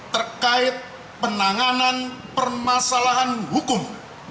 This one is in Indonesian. terkait penanganan permasalahan hukum